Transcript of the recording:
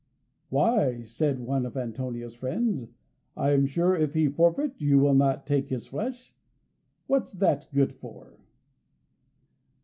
"Why," said one of Antonio's friends, "I am sure if he forfeit you will not take his flesh. What's that good for?"